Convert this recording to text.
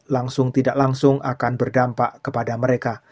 langsung tidak langsung akan berdampak kepada mereka